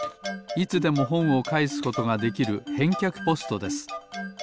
いつでもほんをかえすことができる返却ポストです。